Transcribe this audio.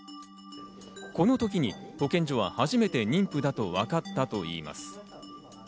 この時に保健所は初めて妊婦だとわかったといいます。